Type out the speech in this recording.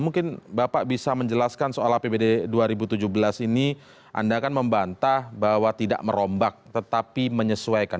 mungkin bapak bisa menjelaskan soal apbd dua ribu tujuh belas ini anda kan membantah bahwa tidak merombak tetapi menyesuaikan